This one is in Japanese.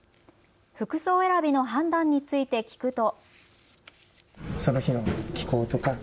服装選びの判断について聞くと。